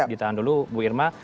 ditahan dulu bu irma